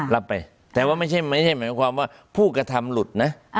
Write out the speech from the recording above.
รับไปแต่ว่าไม่ใช่หมายความว่าผู้กระทำหลุดนะ